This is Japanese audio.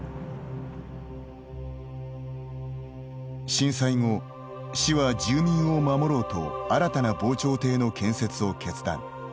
震災後、市は住民を守ろうと新たな防潮堤の建設を決断。